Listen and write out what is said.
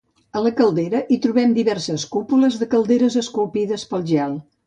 A la caldera, hi trobem diverses cúpules de calderes esculpides pel gel.